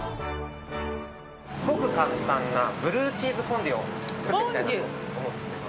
すごく簡単なブルーチーズフォンデュを作ってみたいと思っています。